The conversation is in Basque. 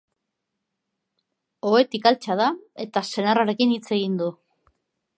Ohetik altxa da, eta senarrarekin hitz egin du.